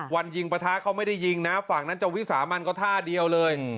วันยิงประทะเขาไม่ได้ยิงนะฝั่งนั้นจะวิสามันก็ท่าเดียวเลย